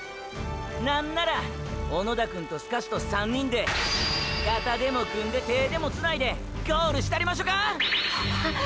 何なら小野田くんとスカシと３人で肩でも組んで手でもつないでゴールしたりましょか！！っ！！